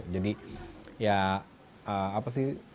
jadi ya apa sih